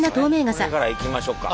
これからいきましょか。